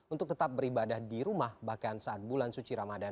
untuk tetap beribadah di rumah bahkan saat bulan suci ramadan